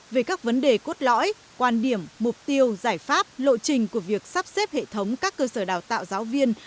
về các vấn đề cốt lõi quan điểm mục tiêu giải pháp lộ trình của việc sắp xếp hệ thống các cơ sở đào tạo giáo viên